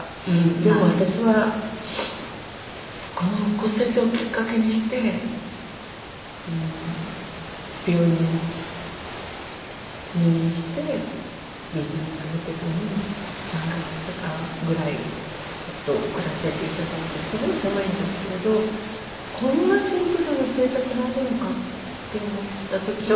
でも私はこの骨折をきっかけにして病院に入院してビジネスホテルに３カ月間ぐらい暮らさせていただいてすごい狭いんですけれどこんなシンプルな生活があるのかって思った時に。